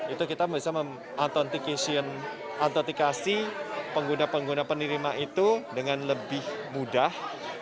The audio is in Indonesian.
itu kita bisa mengantotikasi pengguna pengguna penerima itu dengan lebih mudah